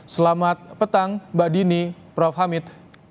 selamat petang mbak dini prof hamid